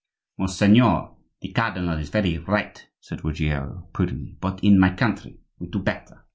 "Monseigneur the cardinal is very right," said Ruggiero, prudently; "but in my country we do better."